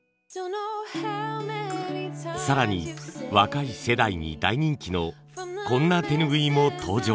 更に若い世代に大人気のこんな手ぬぐいも登場。